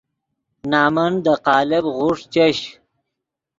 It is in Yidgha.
نَمن دے قالب غوݰ چش